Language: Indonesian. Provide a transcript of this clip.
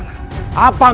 apa yang kita lakukan